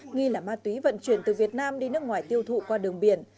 nghi là ma túy vận chuyển từ việt nam đi nước ngoài tiêu thụ qua đường biển